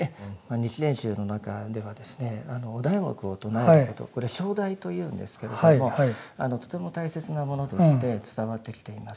日蓮宗の中ではですねお題目を唱えるということこれ「唱題」というんですけれどもとても大切なものとして伝わってきています。